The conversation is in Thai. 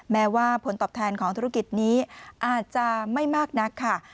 แม้ว่าผลตอบแทนของธุรกิจนี้อาจจะไม่มากนักค่ะ